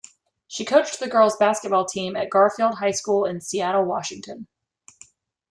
She coached the girls' basketball team at Garfield High School in Seattle, Washington.